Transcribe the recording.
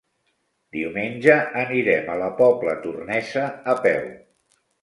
Diumenge anirem a la Pobla Tornesa a peu.